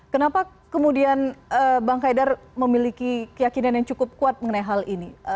kenapa kemudian bang haidar memiliki keyakinan yang cukup kuat mengenai hal ini